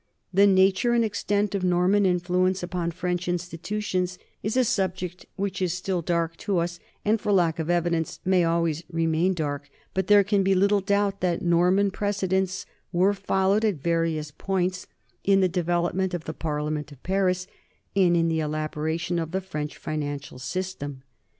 The nature and extent of Norman influence upon French institutions is a subject which is still dark to us and for lack of evidence may always remain dark; but there can be little doubt that Norman precedents were followed at various points in the development of the Parlement of Paris and in the elaboration of the French financial system.